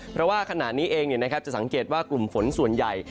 เพราะว่าขณะนี้เองจะสังเกตว่ากลุ่มฝนส่วนใหญ่